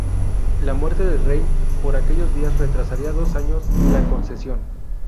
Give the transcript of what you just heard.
La muerte del rey por aquellos días retrasaría dos años la concesión.